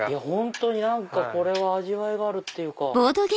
本当にこれは味わいがあるっていうか。